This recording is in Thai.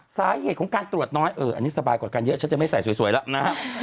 สาเหตุของการตรวจน้อยเอออันนี้สบายกว่ากันเยอะฉันจะไม่ใส่สวยแล้วนะฮะ